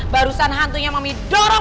barusan hantunya mami dorong